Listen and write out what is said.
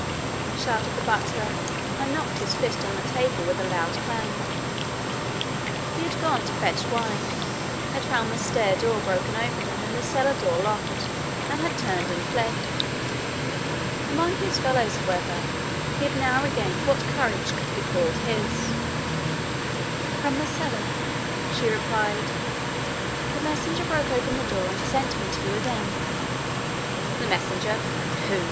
shouted the butler, and knocked his fist on the table with a loud clang. He had gone to fetch wine, had found the stair door broken open and the cellar door locked, and had turned and fled. Among his fellows, however, he had now regained what courage could be called his. 'From the cellar,' she replied. 'The messenger broke open the door, and sent me to you again.' 'The messenger! Pooh!